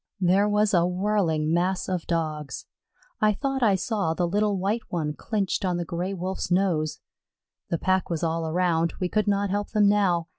There was a whirling mass of Dogs. I thought I saw the little White One clinched on the Gray wolf's nose. The pack was all around; we could not help them now.